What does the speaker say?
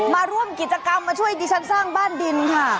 มาร่วมกิจกรรมมาช่วยดิฉันสร้างบ้านดินค่ะ